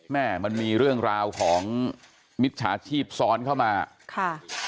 มันมีเรื่องราวของมิจฉาชีพซ้อนเข้ามาค่ะ